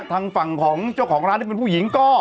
ทางฝั่งของเจ้าของร้านที่เป็นผู้หญิงก็